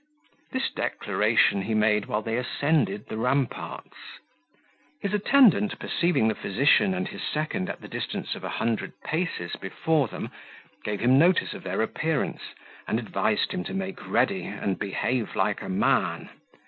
This declaration he made while they ascended the ramparts. His attendant perceiving the physician and his second at the distance of a hundred paces before them, gave him notice of their appearance, and advised him to make ready, and behave like a man.